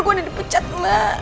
gue udah dipecat mbak